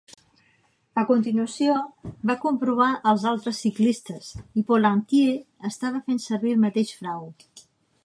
A continuació, va comprovar els altres ciclistes i Pollentier estava fent servir el mateix frau.